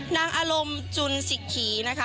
นางอารมณ์จุนสิกขีนะคะ